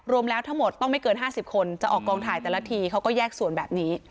รวมแล้วทั้งหมดต้องไม่เกิน๕๐คนจะออกกองถ่ายแต่ละทีเขาก็แยกส่วนแบบนี้